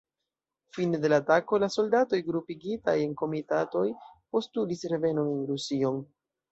Fine de la atako, la soldatoj grupigitaj en komitatoj postulis revenon en Rusion.